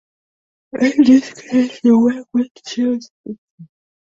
In this case you work with Tim Speedle.